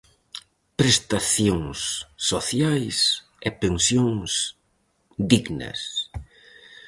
Prestacións sociais e pensións dignas.